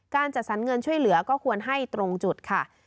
จัดสรรเงินช่วยเหลือก็ควรให้ตรงจุดค่ะ